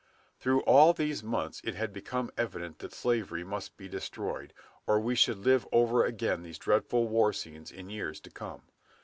Through all these months it had become evident that slavery must be destroyed, or we should live over again these dreadful war scenes in years to come.